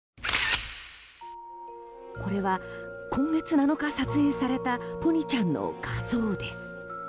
これは今月７日撮影されたポニちゃんの画像です。